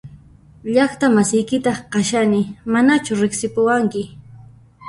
Llaqta masiykitaq kashani ¿Manachu riqsipuwanki?